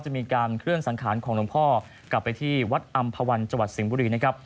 มีการเคลื่อนสังขารของหลวงพ่อกลับไปที่วัดอำภาวันจังหวัดสิงห์บุรีนะครับ